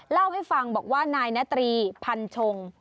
เล่าให้ฟังบอกว่านายนาตรีพันชง